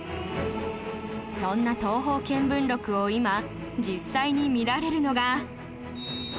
そんな『東方見聞録』を今実際に見られるのが